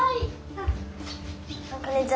あっこんにちは。